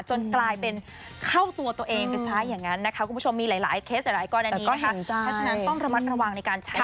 จนกลายเป็นเข้าตัวตัวเอง